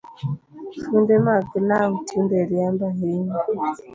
Funde mag law tinde riambo ahinya